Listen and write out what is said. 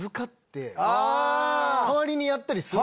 代わりにやったりする。